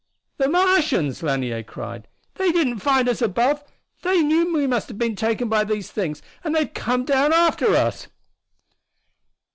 "The Martians!" Lanier cried. "They didn't find us above they knew we must have been taken by these things and they've come down after us!"